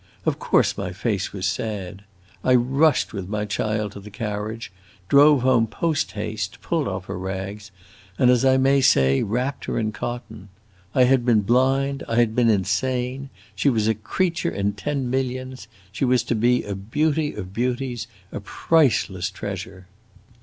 Of course my face was sad. I rushed with my child to the carriage, drove home post haste, pulled off her rags, and, as I may say, wrapped her in cotton. I had been blind, I had been insane; she was a creature in ten millions, she was to be a beauty of beauties, a priceless treasure!